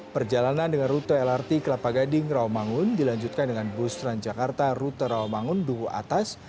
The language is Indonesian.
perjalanan dengan rute lrt kelapa gading rawamangun dilanjutkan dengan bus transjakarta rute rawamangun duku atas